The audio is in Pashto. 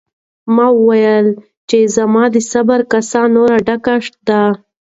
ما وویل چې زما د صبر کاسه نوره ډکه ده.